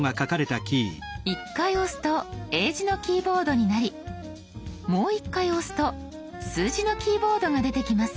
１回押すと英字のキーボードになりもう１回押すと数字のキーボードが出てきます。